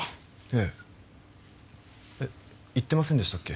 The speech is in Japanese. えええっ言ってませんでしたっけ？